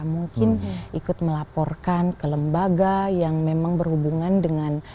mungkin ikut melaporkan ke lembaga yang memang berhubungan dengan